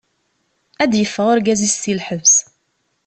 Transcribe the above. Ad d-yeffeɣ urgaz-is si lḥebs.